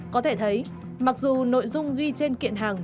có thể thấy mặc dù nội dung ghi trên kiện hàng